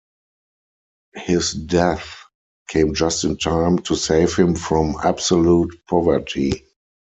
His death came just in time to save him from absolute poverty.